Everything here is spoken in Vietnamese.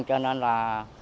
cho nên là